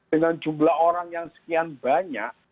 dengan jumlah orang yang sekian banyak